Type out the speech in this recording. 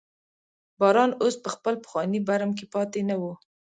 باران اوس په خپل پخواني برم کې پاتې نه و.